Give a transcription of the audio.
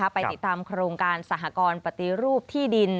ไปติดตามโครงการสหกรณ์ปฏิรูปที่ดิน